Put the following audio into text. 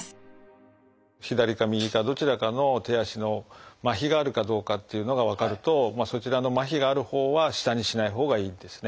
左か右かどちらかの手足のまひがあるかどうかっていうのが分かるとそちらのまひがあるほうは下にしないほうがいいんですね。